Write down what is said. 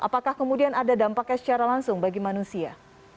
apakah kemudian ada dampaknya secara langsung bagi manusia